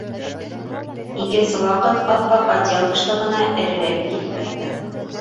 Икенсе ваҡыт ап-аҡ одеял тышлығына эрерәге килеп ятты.